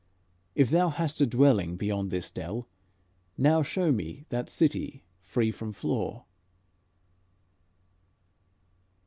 If thou hast a dwelling beyond this dell, Now show me that city free from flaw."